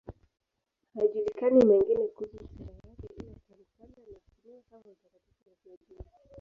Hayajulikani mengine kuhusu historia yake, ila tangu kale anaheshimiwa kama mtakatifu mfiadini.